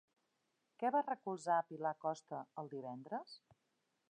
Què va recolzar Pilar Costa el divendres?